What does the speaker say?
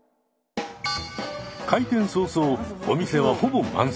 開店早々お店はほぼ満席に。